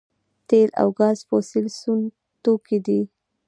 تیل او ګاز فوسیل سون توکي دي